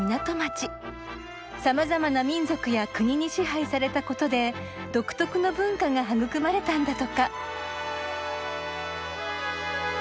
さまざまな民族や国に支配されたことで独特の文化が育まれたんだとか。